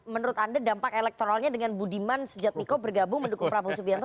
menurut anda dampak elektoralnya dengan budiman sujadmiko bergabung mendukung prabowo subianto